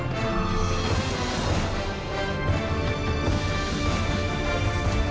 สวัสดีครับทุกคน